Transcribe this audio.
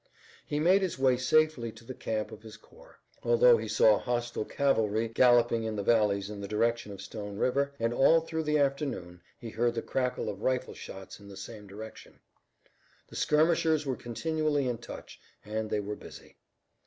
He made his way safely back to the camp of his corps, although he saw hostile cavalry galloping in the valleys in the direction of Stone River, and all through the afternoon he heard the crackle of rifle shots in the same direction. The skirmishers were continually in touch and they were busy.